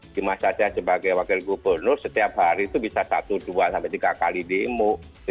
di masa saya sebagai wakil gubernur setiap hari itu bisa satu dua sampai tiga kali demo